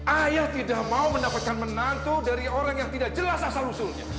ayah tidak mau mendapatkan menantu dari orang yang tidak jelas asal usulnya